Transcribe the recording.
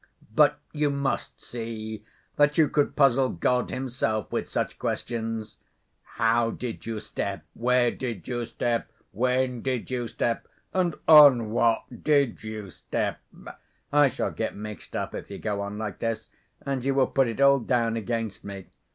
But you must see that you could puzzle God Himself with such questions. 'How did you step? Where did you step? When did you step? And on what did you step?' I shall get mixed up, if you go on like this, and you will put it all down against me.